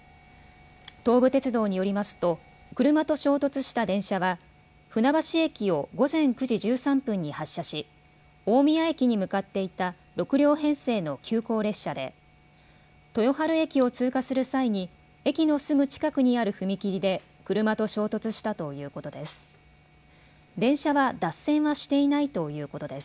東武鉄道によりますと車と衝突した電車は船橋駅を午前９時１３分に発車し大宮駅に向かっていた６両編成の急行列車で豊春駅を通過する際に駅のすぐ近くにある踏切で車と衝突したということです。